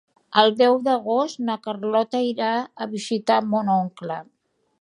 El deu d'agost na Carlota irà a visitar mon oncle.